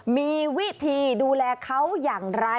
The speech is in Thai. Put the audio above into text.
มีวิธีดูแลเขาอย่างไร